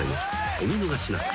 ［お見逃しなく］